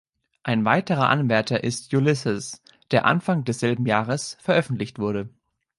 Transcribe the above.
Ein weiterer Anwärter ist „Ulysses”, der Anfang desselben Jahres veröffentlicht wurde.